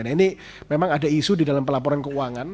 nah ini memang ada isu di dalam pelaporan keuangan